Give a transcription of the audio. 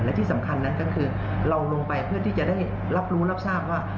และที่สำคัญนั้นก็คือเราลงไปเพื่อที่จะได้รับรู้รับทราบว่า